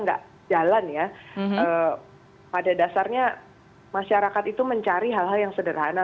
nggak jalan ya pada dasarnya masyarakat itu mencari hal hal yang sederhana